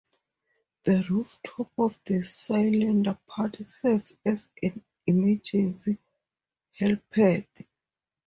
The rooftop of the cylinder part serves as an emergency helipad.